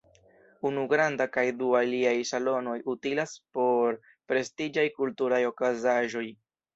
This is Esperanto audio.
Unu granda kaj du aliaj salonoj utilas por prestiĝaj kulturaj okazaĵoj.